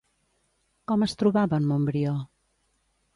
Com es trobava en Montbrió?